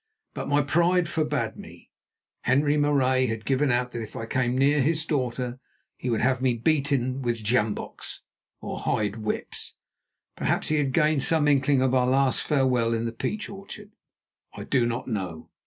But my pride forbade me. Henri Marais had given out that if I came near his daughter he would have me beaten back with sjambocks or hide whips. Perhaps he had gained some inkling of our last farewell in the peach orchard. I do not know.